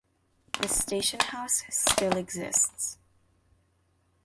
The station house still exists.